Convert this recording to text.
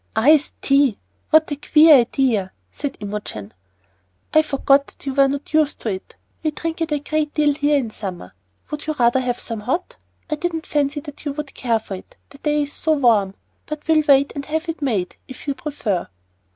"Iced tea! what a queer idea!" said Imogen. "I forgot that you were not used to it. We drink it a great deal here in summer. Would you rather have some hot? I didn't fancy that you would care for it, the day is so warm; but we'll wait and have it made, if you prefer."